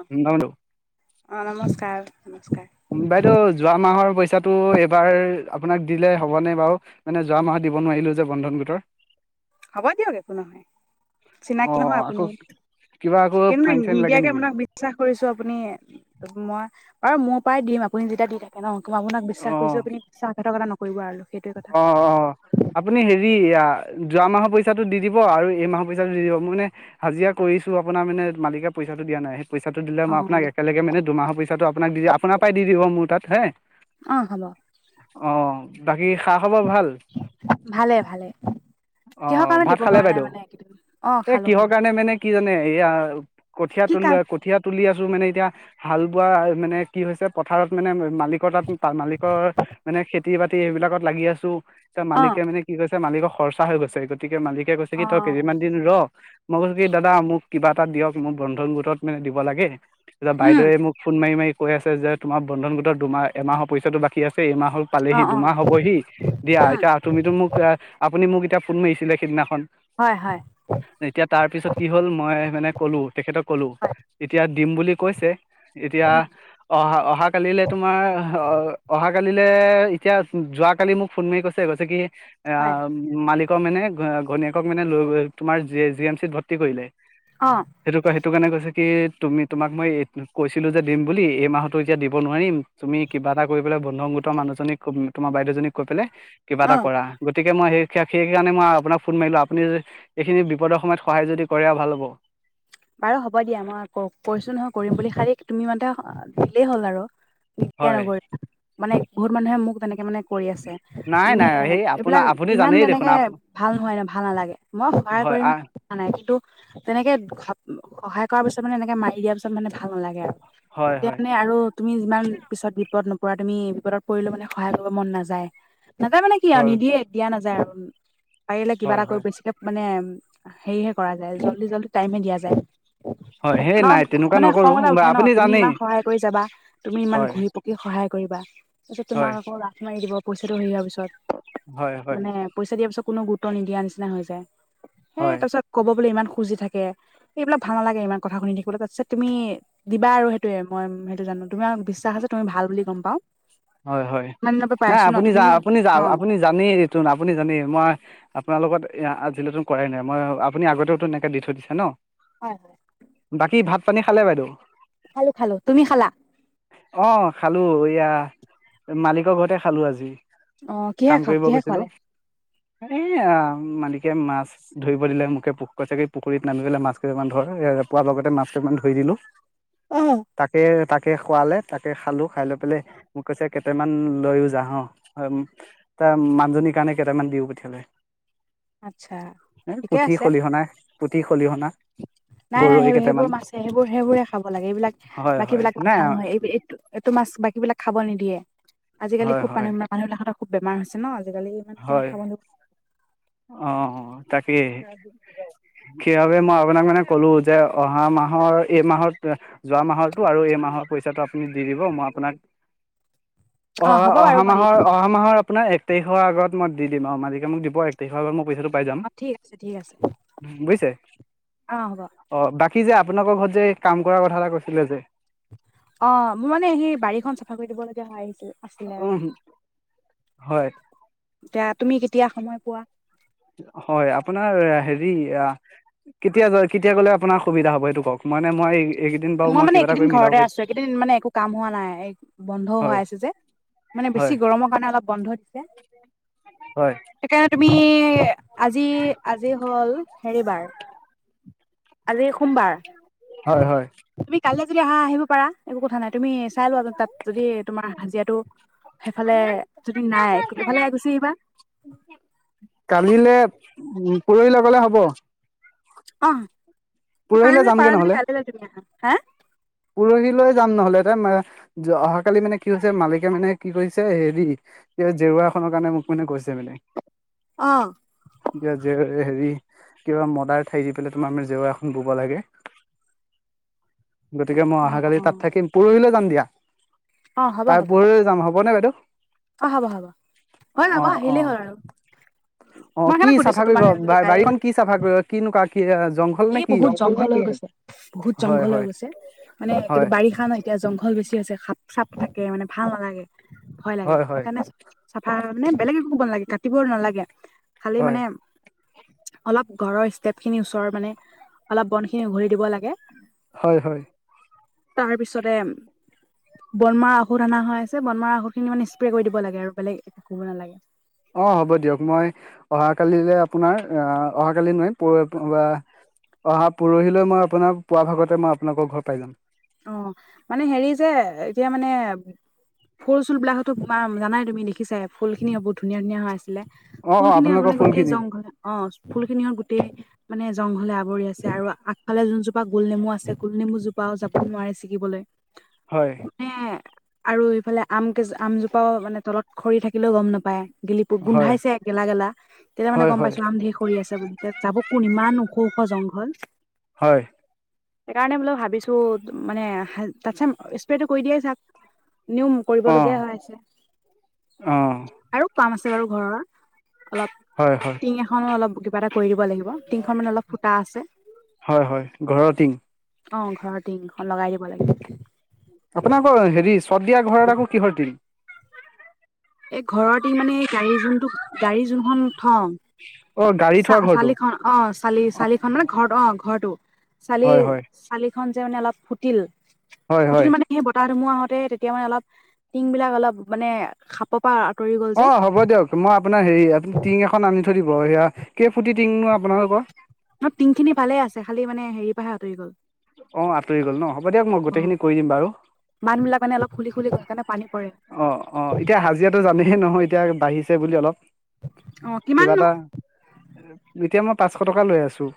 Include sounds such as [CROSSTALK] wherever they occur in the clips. অ অ নমস্কাৰ নমস্কাৰ উ বাইদেউ যোৱা মাহৰ পইচাটো এইবাৰ আপোনাক দিলে হ'বনে বাৰু মানে যোৱা মাহত দিব নোৱাৰিলো যে বন্ধন গোটৰ হ'ব দিয়ক দে কোন নহয় চিনাকি অঁ নহয় আকৌ আপুনি কিবা আকৌ কেন্তু ফাইন চাইন লাগে নিদিয়াকে নেকি আোনাক বিশ্বাস কৰিছো আপুনি মই আৰু মোৰ পৰাই দিম আপুনি যেতিয়া দি থাকে ন মই আপোনাক বিশ্বাসছোঁ আপুনি বিশ্বাসঘাতক এ নকৰিব আৰু সেইটোৱে কথা অ অ আপুনি হেৰি যোৱা মাহত পইচাো দি দিব আৰু এই মাহ পইচা ো দি দিব মই মানে হাজিৰা কৰিছো আপোনাৰ মানে মালিকে পইচা টো দিয়া নাই সেইটো পইচাটো দিলে অ মইপোনাক একেলগে মানে দুমাহৰ পইচাটো আপাক দি আোনাৰই দি দিব মোৰ তাত হে অ হ'ব অঁ বাকী খা খবৰ ভাল ভালে ভালে অ কিহৰ কাৰণে ভাত দিব খালে পৰা নাই বাইদেউ মানে এইকেইদিন অ এ খালো কিহৰ খালো কাৰণে মানে কি জানে এইয়া কঠীয়া কি তলি কাম কঠীয়া তুলি আছোঁ মানে এতিয়া হাল বোৱা মানে কি হৈছে পথাৰত মানে মালিকৰ তাত মালিকৰ মানে মানে খেতি বাতি এইবিলাকত লাগি আছোঁ এতিয়া অ মালিকে মানে কি কৈছে মালিকৰ গতিকে খৰচা হৈ গৈছে গতিকে মালিকে কৈছে অ কি তই কেইদিনমান ৰ মই কৈছোঁ কি দাদা মোক কিবা এটা দিয়ক মোক বন্ধন গোটত মানে দিব লাগে কিবা উম বাইদেৱে মোক ফোন মাৰি মাৰি কৈ আছে যে তোমাৰ বন্ধন গোটৰ দুমাহ এমাহৰ পইচাঁটো বাকী আছে এইমাহৰ অ পালেহি অ দুমাহ হব বহি দিয়া উম এতিয়া তুমিটো মোক আপুনি মোক এতিয়া ফোন মাৰিছিলে সিদিনাখন হয় হয় এতিয়া তাৰ পিছত কি হ'ল মই মানে ক'লো তেখেতক ক'লো হয় এতিয়া দিম বুলি কৈছে এতিয়া উম অহা অহাকালিলৈ তোমাৰ অহা কালিলে এতিয়া যোৱা কালি মোক ফোন মাৰি কৈছে কৈছে কি আ হয় মালিক ৰ মানে ঘৈনীয়েকক মানে লৈ তোমাৰ জি এম চিত ভৰ্তি কৰিলে অ সেইটো ক সেইটো কাৰণে কৈছে কি তুমি তোমাক মই কৈছিলোঁ যে দিম বুলি এই মাহতো এতিয়া দিব নোৱাৰিম তুমি কিবা এটা কৰি পেলাই বন্ধন গোটৰ মানুহজনীক তোমাৰ বাইদেউজনীক কৈ পেলে কিবা এটা অ কৰা গতিকে মই সেই সেইকাৰণে মই আপোনাক ফোন মাৰিলোঁ আপুনি এইখিনি বিপদৰ সময়ত সহায় যদি কৰে ভাল হ'ব বাৰু হ'ব দিয়া মই কৈছোঁ নহয় কৰিম বুলি খালি তুমি মোঠতে দিলেই হ'ল আৰু এতিয়া হয় নকৰি মানে বহুত মানুহে মোক তেনেকে মানে নাই মানে নাই সেই আপোনাৰ এইবিলাক আপুনি ইমান জানেই দেখোন তেনেকে আপ ভাল নহয় ন ভাল নালাগে মই সহায় হয় কৰিম আহ বুলি কোৱা নাই কিন্তু তেনেকে সহায় কৰাৰ পিছত মানে এনেকে মাৰি দিয়াৰ পিছত মানে ভাল নালাগে আৰু হয় তেতিয়া হয় মানে আৰু তুমি যিমান পিছত বিপদ নপৰা তুমি বিপদত পৰিলে মানে সহায় কৰিব মন নাযায় নাযায় মানে কি আৰু হয় নিদিয়ে দিয়া নাযায় আৰু পাৰিলে কিবা হয় এটা কৰি হয় বেছিকে মানে হেৰি হে কৰা যায় জল্দি জল্দি টাইমহে দিয়া যায় হয় সেই ন নাই তেনেকুৱা মানে খং নকৰোঁ এটা বা উঠে ন আপুনি তুমি জানেই ইমান সহায় কৰিছা বা তুমি ইমান হয় ঘূৰি পকি সহায় কৰিছা কিন্তু হয় তোমালোকক লাখ মাৰি দিব পইচাঁটো হেৰি হোৱাৰ পিছত হয় হয় মানে পইচাঁ দিয়াৰ পিছত কোনো গুৰুত্ব নিদিয়া নিচিনা হৈ যায় হে হয় তাৰ পিছত কব বলে ইমান খুজি থাকে এইবিলাক ভাল নালাগে ইমান কথা শুনি থাকিবলৈ তাত চাই তুমি দিবা আৰু সেইটো য়ে মই সেইটো জানোঁ তুমি বিশ্বাস আছে তুমি ভাল বুলি গম পাওঁ হয় হয় নাই আপুনি যা তুমিও আপুনি যা অ আপুনি জানেই যিহেটো আপুনি জানেই মই আপোনাৰ লগত আজিলৈকে কৰাই নাই মই আপুনি আগতেওঁটো এনেকে দি থৈ দিছে ন হয় হয় বাকী ভাত পানী খালে বাইদেউ খালোঁ খালোঁ তুমি খালা অঁ খালোঁ এয়া মালিকৰ ঘৰতে খালোঁ আজি অ কিহে কাম খা কৰিব কিহে গৈছিলোঁ খোৱালে এ মালিকে মাছ ধৰিব দিলে মোকে কৈছে কি পুখুৰীত নামি পেলে মাছ কেইামান ধৰ মাছ কেইটা যম অ তাকে তাকে খোৱালে তাকে খালো খাই লৈ পেলাই মোক কৈছে কেইটামান লৈও যা হ তাৰ মানুজনীৰ কাৰণে কেইটামান দিও পঠিয়ালে আচ্ছা এ পুঠি খলিহনাই উ নাই নাই সেই সেইবোৰ কেইটামান মাছে সেইবোৰ সেইবোৰে খাব লাগে এইবিলাক হয় বাকী হয় বিলাক নাই ভাল হয় এই এই এইটো মাছ বাকী বিলাক খাব নিদিয়ে আজিকালি হয় খুব হয় মানুহ মানুহবিলাকৰ খুব বেমাৰ হৈছে ন আজিকালি ইমানে কেনে হয় খাব ন অ তাকে সেইবাবে মই আপোনাক মানে ক'লো যে অহা মাহৰ এই মাহত যোৱা মাহতো আৰু এই মাহৰ পইচাটো আপুনি দি দিব মই আপোনাক [UNINTELLIGIBLE] অ অহা হ'ব বাৰু অহা মই দি মাহৰ দিম অহা মাহৰ আপোনাৰ এক তাৰিখৰ আগত মই দি দিম অ মালিকে মোক দিব তে আত মই পইচাটো পাই যাম অ ঠিক আছে ঠিক আছে বুজছে অ হ'ব অ কি যে আপোনালোকৰ ঘৰত যে কাম কৰাৰ কথা এটা কৈছিলে যে অ মোৰ মানে সেই বাৰীখন চাফা কৰি দিবলগীয়া হয় আহিছিল আছিলে উ আৰু হয় এতিয়া তুমি কেতিয়া সময় পোৱা হয় আপোনাৰ হেৰি কেতিয়া য কেতিয়া গ'লে আপোনাৰ সুবিধা হ'ব এইটো কওক মানে মই এইকেইদিন বাৰু মই মানে কিবা এটা এইকেইদিন কৰি মিলাব ঘৰতে পাৰিম আছো একেইদিন মানে একো কাম হোৱা নাই বন্ধও হোৱা হয় আছে যে মানে হয় বেছি গৰমৰ কাৰণে অলপ বন্ধ হয় সেইকাৰণে তুমি আজি আজি হল হেৰিবাৰ আজি সোমবাৰ হয় হয় তুমি কাইলৈ যদি আহা আহিব পাৰা একো কথা নাই তুমি চাই লোৱা তাত যদি তোমাৰ হাজিৰাটো সেইফালে যদি নাই এইফালে গুচি আহিবা কালিলে উ পুৰহি লগ গলে হ'ব আহ পৰহিলৈ কাল যামগে পাৰা যদি নহ'লে কালিলৈ তুমি আহা হা পৰহিলৈ যাম নহলে এ ত অহাকালি মানে কি হৈছে মালিকে মানে কি কৰিছে হেৰি জেওৰা নৰ কাৰণে মোক মানে কৈছে মানে অ এজে হেৰি কিবা মদাৰ ঠাই দি পেলাই তোমাৰ ম জেওৰা বব লাগে গতিকে মই অ অহাকালি তাত থাকিম পৰহিলৈ যাম দিয়া অ হ'ব তাই হ'ব পোহৰ যাম হ'বনে বাইদেউ অ হব হ'ব হয় অ যাব অ আহিকলেই হ'ল আৰু অ মই কি সেইকাৰণে চাফা সুধিছো কৰিব তোমাক যদি কাইলৈ বাৰীখন যদি কি চাফা কৰিব কিনেকুৱা কি জংঘল নে এই কি বহুত জংঘল হৈ গৈছে বহুত হয় জংঘল হৈ হয় গৈছে মানে কি হয় বাৰিষা নয় এতিয়া জংঘল বেছি আছে। চফ থাকে মানে, ভাল নালাগে, ভয় লাগে হয় হয় হয় সেইকাৰণে চাফা মানে বেলেগে ক নালাগে কাটিব নালাগে, খালি হয় মানে অলপ ঘৰৰ ষ্টেপ খিনি ওচৰৰ মানে, অলপ বন খিনি উঘলি দিব লাগে। হয় হয়। তাৰপিছতে বনমাৰ ঔষধ অনা হৈ আছে, বনমাৰ ঔষধ খিনি মানে স্প্ৰে কৰি দিব লাগে আৰু বেলেগ কব নালাগে। অ' হ'ব দিয়ক, মই অহা কালিলৈ আপোনাৰ আহ অহা কালি নোৱাৰি প অহা পৰহিলৈ মই আপোনাৰ পুৱা ভাগতে মই আপোনালোকৰ ঘৰ পাই যাম। অ' মানে হেৰি যে এতিয়া মানে ফুল চুল বিলাকতো জানাই তুমি দেখিছা ফুল খিনি বহুত ধুনীয়া ধুনীয়া হৈ আছে। অ ফুল অ খিনি আপোনালোকৰ মানে গোই ফুলখিনি জংঘল, অ' ফুল খিনি গো মানে জংঘলে আৱৰি আছে আৰু আগফালে যোনজোপা গোল নেমু আছে গোল নেমু জোপাও যাব নোৱাৰে চিকিবলৈ। হয় সেৱাই। আৰু ইফালে আম কেজ আমজোপাও মানে তলত খৰি থাকিলেও গম নাপায়। গেলিপুত হয় গোন্ধাইছে গেলা গেলা, তেতিয়া মানে হয় গম হয় পাইছো আম ধেৰ স কৰি আছে বুলি তেতিয়া যাব কোন ইমান সৌখ জংঘল। হয়। সেইকাৰণে বোলো ভাবিছো মানে তাতছে স্প্ৰেটো কৰি দিয়েই চাক। নিয়ম অ কৰিবলগীয়া হৈ আছে, অ আৰু কাম আছে বাৰু ঘৰৰ। অলপ, হয় হয় টিং এখনো অলপ কিবা এটা কৰি দিব লাগিব টিংখন মানে অলপ ফুতা আছে। হয় হয় ঘৰৰ তিং। অ' ঘৰৰ টিংখন লগাই দিব লাগে। আপোনাৰ বাৰু হেৰি চৰ্দিয়া ঘৰৰ আকৌ কিহৰ তিল? এই ঘৰৰ তিং মানে এই গাড়ী, যোনটো গাড়ী যোনখন থওঁ। অ গাড়ী চ থোৱা ঘৰটো চালিখন অ' চালি চালিখন মানে ঘৰ, অ' ঘৰটো। চালি, হয় হয় চালি খন যে মানে অলপ ফুটিল, হয় ফুটিল হয় মানে সেই বতাহ ধুমুা হয়। তেতিয়া মানে অলপ, টিং বিলাক অলপ মানে খাপৰ প পৰা আঁতৰি গ'ল যে অ' হ'ব দিয়ক মই আপোনাৰ হেৰি আপ টিং এখন আনি থৈ দিব সয়া, কেই ফুটি টিঙনো আপোনালোকৰ? অ' টিংখিনি ভালে আছে, খালি মানে হেৰি পৰাহে আতৰি গ'ল। অ' আঁতৰি গ'ল ন হ'ব দিয়ক, মই গোটেইখিনি কৰি দিম বাৰু। ানে অল খুলি খুলি কাৰে পানী পৰে অ' অ' এতিয়া হাজিৰাতটো জানেহে নহয় এতিয়া বাঢ়িছে বুলি অলপ। অ কিবা কিমাননো এটা, এতিয়া মই পাঁচশ টকা লৈ আছো।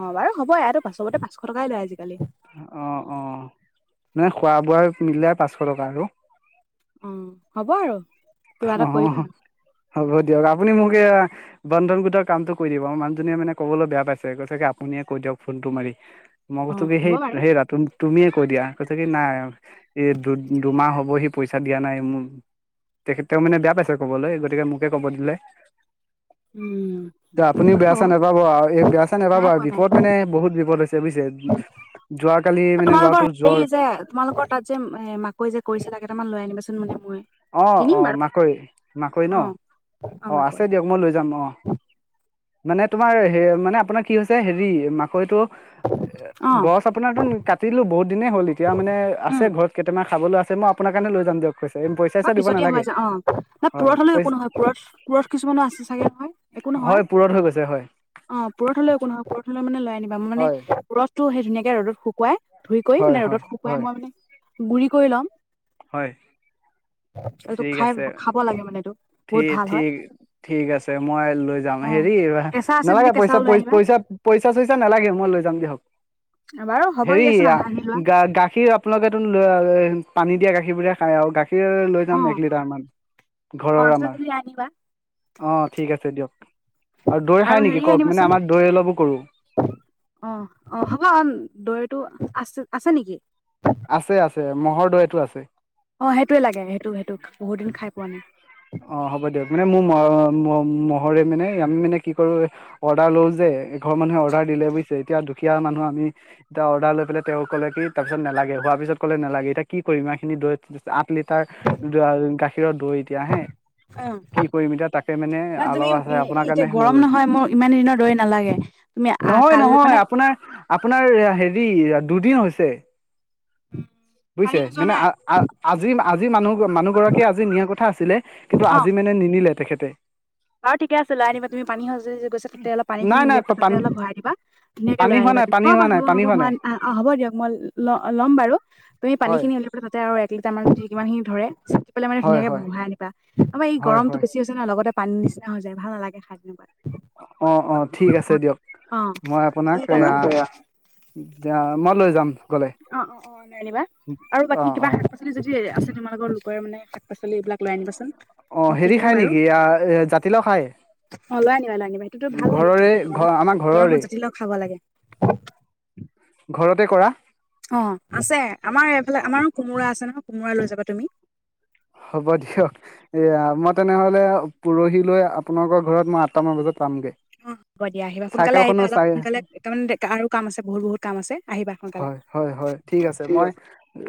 অ' বাৰু হবয়ো, পাছতে পাচশ টকাই লয় আজিকালি। অ' অ' মানে খোৱা বোৱা মিলে পাঁচশ টকা আৰু। অ হ'ব আৰু কিবা এটা কৰিবা অ' হ'ব দিয়ক আপুনি মোৰ বন্ধন গোটৰ কামটো কৰি দিব, ম মানুহ্জনীয়ে মানে ক'বলৈ বেয়া পাইছে, কৈছোগে আপুনিয়ে কৈ দিয়ক ফোন টো মাৰি। মগ অ তু কি হ'ব বাৰু সেইে ৰা তুমি কৈ দিয়া কৈছে কি নাই এই দু দুমাহ হ'ব সি পইচা দিয়া নাই মোৰ। তেখেতেওঁ মানে বেয়া পাইছে কবলৈ গতিকে মোকে কব দিলে। উম এ আপুনিও বাৰু বেয়া হ'ব চা নাপাব আৰু বেয়া চা নোপাব নাই আৰু পোৱা নাই বিপদ মানে বহুত বিপদ হৈছে। বুজিছে, যোৱাকালি মানে তোমালোকৰ ল'ৰাটোৰ জ্বৰ হেৰি যে তোমালোকৰ তাত যে এ মাকৈ যে কৰিছিলা কেইটামান লৈ আনিবাচোন মানে মই অ' কিনিম অ' বাৰু মাকৈ মাকৈ ন অ অ' আছে, দিয়ক মই লৈ যাম অ'। মানে তোমাৰ মানে আপোনাৰ কি হৈছে হেৰি মাকৈটো এ অ গছ আপোনাৰ তো কাটিলো বহুত দিনেই হ'ল এতিয়া মানে আছে উম ঘৰত কেইটামান চাবলৈ আছে মই আপোনাৰ কাৰণে যাম দিয়ক হয় চইচা দিব পিছত হোৱা নালাগে যায়, অ' ন হয় পুৰত হলেও পই একো নহয়, পুৰত পুৰত কিছুমানো আছে চাগে নহয় একো নহয়। দূৰত হৈ গৈছে হয় অ পৰঠ হলে একো নহয় পৰঠলে মানে লৈ আনিবা মানে হয় ৰচ টো সেই ধুনীয়াকে ৰ'দত শুকুৱাই ধুই কৰি হয় মানে হয় ৰ'দত শুকুৱাই হয় মই মানে বুৰি কৰি লম হয় এইটো ঠিক খাই আছে খাব লাগে মানে এইটো বহুত ভাল হয় ঠিক ঠিক আছে মই লৈ যাম অ সেই হেৰি কেঁচা আছে যদি নালাগা কেঁচা পইচা ওলাই আনিবা পইচা পইচা চইচা নালাগে মই লৈ যাম দিয়ক বাৰু হ'ব হেৰি দিয়াচোন আহা আনি লোৱা গ গাখীৰ আপোনালোকেো পানী দিয়া গাখীৰবোৰে খাই আৰু গাখীৰ লৈ অ যাম এক লিটাৰ মান অ ঘৰৰ আছে আমাৰ যদি আনিবা অ ঠিক আছে দিয়ক আৰু দৈ খাই নেকি হেৰি কওক মানে আনিবাচোন আমাৰ দৈ অলপো কৰোঁ অ অ হ'ব দৰিটো আছে আছে নেকি আছে আছে মহ'ৰ দুৱতটো আছে অ সেইটোোৱে লাগে সেইটো সেইটো বহুত দিন খাই পোৱা নাই অ হ'ব দিয়ক মানে মোৰ মহৰে মানে আমি মানে কি কৰো অৰ্ডাৰ লওঁ যে ঘৰ মানুহে অৰ্ডাৰ দিলেুজছে এয়া দুখীয়া মানুহ আমি এটা অৰ্ডাৰ লৈ পেল তেওঁ কলে কি তাৰ পিছত নালাগে হোৱাৰ পিছত ক'লে নালাগে এতিয়া কি কৰিম এইখিনি দৈত আঠ লিটাৰ গাখীৰৰ দৈ এতিয়া হে অ কি কৰিম এতিয়া তাকে মানে ন তুমি অলপ আছে এই আপোনাৰ এতিয়া কাৰণেে মই গৰম লৈ যাম নহয় মোৰ ইমান দিনৰ দৈ নালাগে তুমি আহ নহয় কাল নহয় মানে আপোনাৰ আপোনাৰ হেৰি দুদিন হৈছে পানী বুজিছে যোৱা মানে নাই আজি আজি মানুহ মানুহ গৰাকীয়ে আজি নিয়াৰ কথা আছিলে কিন্তু আজি মানে নিনিলে তেখেতে আৰু ঠিক আছে ল আনা তুমি পানী সজি গৈছে তাতে অল পানীখিনি নাই নাই উলিয়াবা তাতে পানী অল ভই দা ধুনাকে পানী লৈ হোৱা আনা নাই বাৰু পানী হ' হোৱা নাই পানী হ'ব হোৱা মই নাই অ হ'ব দিয়ক মই ল'ম বাৰু তুমি পানী হয় খিনি তাতে আৰু াৰ মানেমান খিনি ধৰে চাকি পেল মানে হয় ধুনাকে হয় বহাই আনিবা আমাৰ হয় গমটো হয় বেছি হৈছে ন লগতে পানী নিচিনা হৈ যায় ভাল নালাগে খাই দনেুৱাত অ অ ঠিক আছে দিয়ক অ অ মই আপোনাক ঠিক এয়া আছে দিয়া দা মই লৈ যাম গলে অ অ অ নাইনিবা আৰু অ বাকী কিবা অ শাক পাচলি যদি আছে তোমালোকৰ লোকৰ মানে শাক পাচি এইবিলাক ল আনিবচোন অ হেৰি খাই নেকি এ জাতিলাও খায় অ লৈ আ নিনিবা লৈ আনিবা সেইটোতো ভাল লাগে খাই ঘৰৰে ঘ গৰমত আমাৰ গৰমত ঘৰৰে জাতিলওক খাব লাগে ঘৰতে কৰা অ আছে আমাৰ এইফালে আমাৰো কোমোৰা আছে নহয় কোমোৰা লৈ যাবা তুমি হ'ব দিয়ক এয়া মই তেনেহলে পৰহিল লৈ আপোনালোকৰ ঘৰত মই আঠটামান বজাত সাতামগৈ অ হ'ব দিয়া আহিবা সোনকালে আহিবা অলপ সোনকালে তাৰমানে আৰু কাম আছে বহুত বহুত কাম আছে আহিবা সোনকালে হয় হয় হয় ঠিক আছে মই